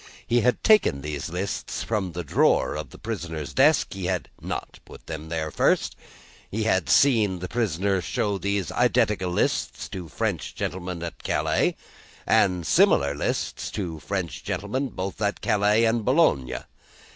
He had taken these lists from the drawer of the prisoner's desk. He had not put them there first. He had seen the prisoner show these identical lists to French gentlemen at Calais, and similar lists to French gentlemen, both at Calais and Boulogne.